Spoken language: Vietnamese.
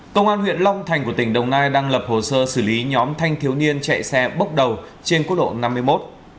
công an huyện long thành của tỉnh đồng nai đang lập hồ sơ xử lý nhóm thanh thiếu niên chạy xe bốc đầu trên quốc lộ năm mươi một